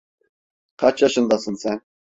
Kaç yaşındasın sen?